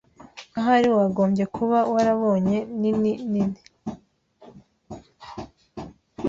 Ahari wagombye kuba warabonye nini nini.